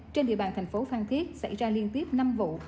trên địa bàn thành phố phan thiết xảy ra liên tiếp năm vụ